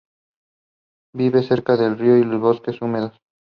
Vive cerca de los ríos y en bosques húmedos.